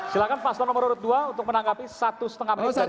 silahkan pastor nomor dua untuk menangkapi satu setengah menit dari sekarang